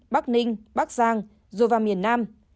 bắc ninh bắc giang rồi vào miền nam